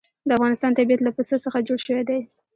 د افغانستان طبیعت له پسه څخه جوړ شوی دی.